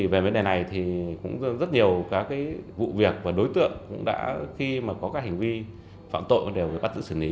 về vấn đề này rất nhiều vụ việc và đối tượng khi có hành vi phạm tội đều bắt giữ xử lý